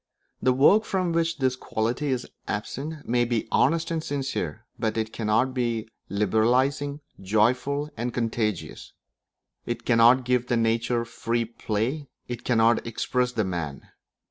The work from which this quality is absent may be honest and sincere, but it cannot be liberalising, joyful, and contagious; it cannot give the nature free play; it cannot express the man.